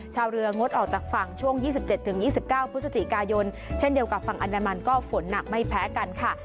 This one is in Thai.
ชาวเรืองดออกจากฝั่งช่วงยี่สิบเจ็ดถึงยี่สิบเก้าพฤศจิกายนเช่นเดียวกับฝั่งอันดรมันก็ฝนหนักไม่แพ้กันค่ะ